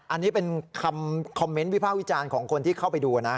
อันนี้เป็นคำคอมเมนต์วิภาควิจารณ์ของคนที่เข้าไปดูนะ